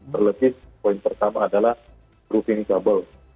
terlebih poin pertama adalah proofing kabel